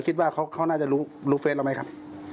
ตกใจทุกอย่างละเนี่ยก็ไม่รู้อะไรเลย